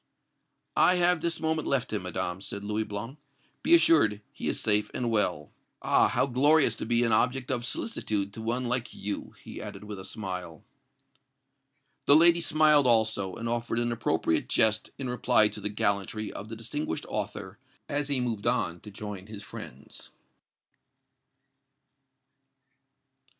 "I have this moment left him, Madame," said Louis Blanc. "Be assured, he is safe and well. Ah! how glorious to be an object of solicitude to one like you!" he added, with a smile. The lady smiled also, and offered an appropriate jest in reply to the gallantry of the distinguished author, as he moved on to join his friends.